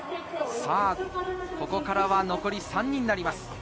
ここからは残り３人になります。